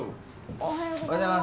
おはようございます。